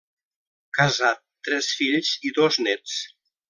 Casat, tres fills i dos néts.